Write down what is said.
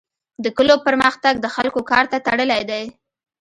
د کلو پرمختګ د خلکو کار ته تړلی دی.